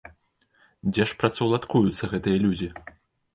Дзе ж працаўладкуюцца гэтыя людзі?